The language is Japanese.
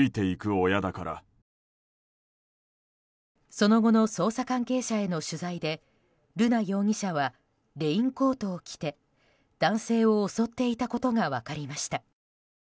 その後の捜査関係者への取材で瑠奈容疑者はレインコートを着て男性を襲っていたことが分かりました。